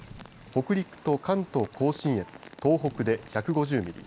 北陸と関東甲信越東北で１５０ミリ